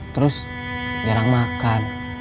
terus jarang makan